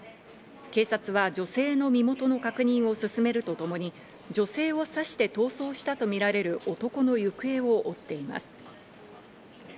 警察は女性の身元の確認を進めるとともに、女性を刺して逃走したとみられる男の行方を追っています。